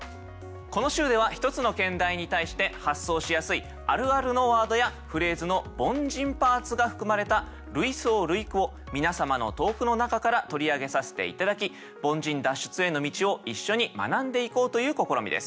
この週では１つの兼題に対して発想しやすいあるあるのワードやフレーズの「凡人パーツ」が含まれた類想類句を皆様の投句の中から取り上げさせて頂き凡人脱出への道を一緒に学んでいこうという試みです。